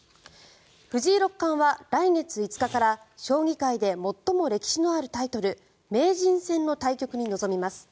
藤井六冠は来月５日から将棋界で最も歴史のあるタイトル名人戦の対局に臨みます。